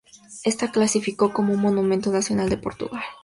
Está clasificado como un monumento nacional de Portugal.